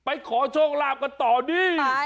ไปขอโชคลาภกันต่อดี